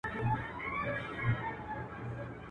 د هېلۍ چيچي ته څوک اوبازي نه ور زده کوي.